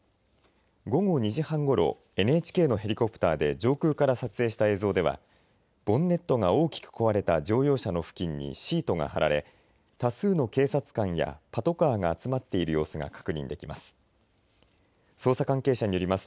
午後２時半ごろ、ＮＨＫのヘリコプターで上空から撮影した映像ではボンネットが大きく壊れた乗用車の付近にシートが張られ多数の警察官やパトカーが集まっている様子が確認できます。